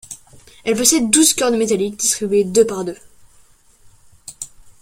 Elle possède douze cordes métalliques distribuées deux par deux.